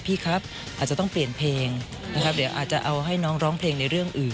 พี่ครับอาจจะต้องเปลี่ยนเพลงนะครับเดี๋ยวอาจจะเอาให้น้องร้องเพลงในเรื่องอื่น